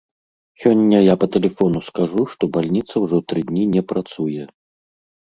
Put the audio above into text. Сёння я па тэлефону скажу, што бальніца ўжо тры дні не працуе!